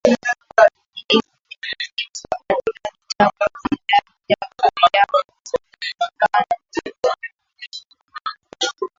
izwa katika katiba ya jamhuri ya muungano